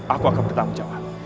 aku akan bertanggung jawab